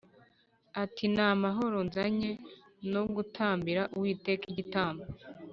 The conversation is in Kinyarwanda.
Ati “Ni amahoro. Nzanywe no gutambira Uwiteka igitambo